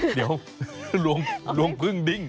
เดี๋ยวลวงพึ่งดิ้ง